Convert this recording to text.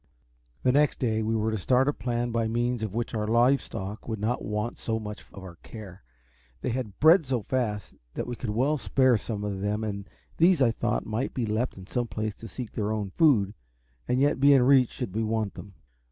The next day we were to start a plan by means of which our live stock would not want so much of our care. They had bred so fast that we could well spare some of them, and these I thought might be left in some place to seek their own food, and yet be in reach should we want them.